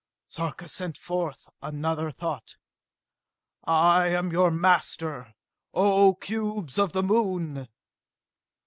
Sarka sent forth another thought. "I am your master, O cubes of the Moon!"